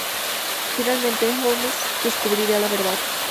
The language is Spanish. Finalmente, Holmes descubrirá la verdad.